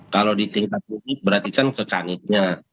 kalau di tingkat ini berarti kan ke kanitnya